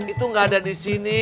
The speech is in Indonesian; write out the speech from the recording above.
itu nggak ada di sini